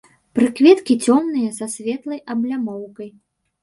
Прыкветкі цёмныя, са светлай аблямоўкай.